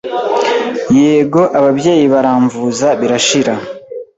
Yego ababyeyi baramvuza birashira